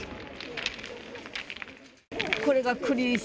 これが栗石。